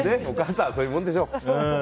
お母さんはそういうもんでしょ。